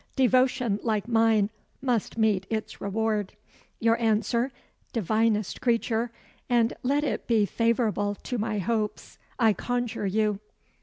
Devotion like mine must meet its reward. Your answer, divinest creature! and let it be favourable to my hopes, I conjure you!"